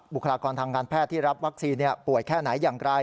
บุคลากรทางการแพทย์ที่รับวัคซีนป่วยแค่ไหนอย่างไร